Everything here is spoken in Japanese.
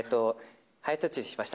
はやとちりしました。